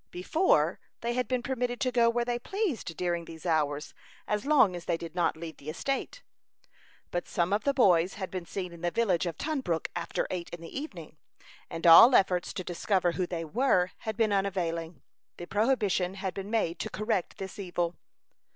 Before, they had been permitted to go where they pleased during these hours, as long as they did not leave the estate. But some of the boys had been seen in the village of Tunbrook after eight in the evening; and all efforts to discover who they were had been unavailing. The prohibition had been made to correct this evil.